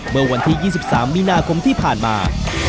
เมื่อวันที่๒๓มีนาคมที่ผ่านมา